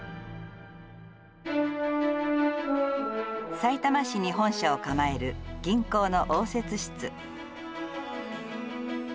さいたま市に本社を構える銀行の応接室。